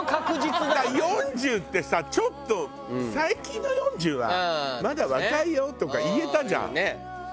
だから４０ってさちょっと最近の４０はまだ若いよとか言えたじゃん。